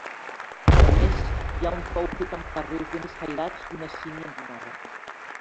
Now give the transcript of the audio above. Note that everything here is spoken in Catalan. A més hi ha un pou fet amb carreus ben escairats, i una sínia enrunada.